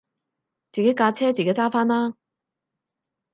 自己架車自己揸返啦